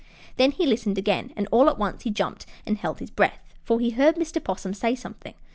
Then he listened again, and all at once he jumped and held his breath, for he heard Mr. 'Possum say something.